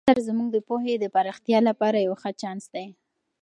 دا اثر زموږ د پوهې د پراختیا لپاره یو ښه چانس دی.